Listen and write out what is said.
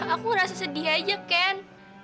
aku rasa sedih aja ken